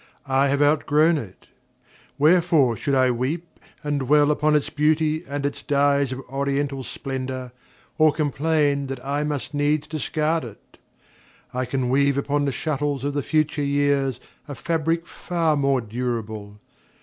I have outgrown it. Wherefore should I weep And dwell upon its beauty, and its dyes Of oriental splendor, or complain That I must needs discard it? I can weave Upon the shuttles of the future years A fabric far more durable.